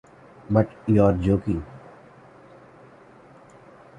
But you’re joking!